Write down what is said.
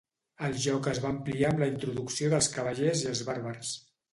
El joc es va ampliar amb la introducció dels cavallers i els bàrbars.